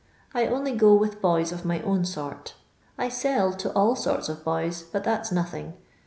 I only go with boys of my own sort I sell to all sorts of boys, but that *s nothing.